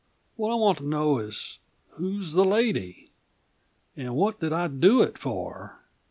What I want to know is who's the lady? And what did I do it for?"